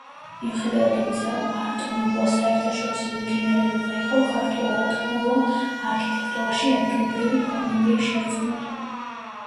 მიუხედავად იმისა, რომ არტ-ნუვო საერთაშორისო მიმდინარეობა იყო, ქართულ არტ-ნუვო არქიტექტურაში ადგილობრივი ფორმებია შერწყმული.